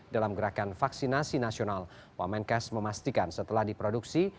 dalam gerakan vaksinasi nasional wamenkes memastikan setelah diproduksi